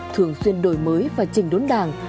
thường xuyên đổi mới và trình đốn đảng